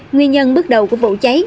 nguyên nhân bước đầu của vụ cháy